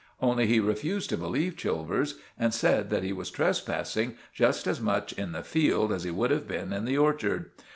Only he refused to believe Chilvers, and said that he was trespassing just as much in the field as he would have been in the orchard.